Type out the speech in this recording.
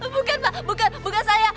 bukan pak bukan saya